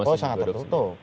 oh sangat tertutup